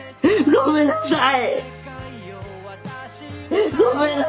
ごめんなさい！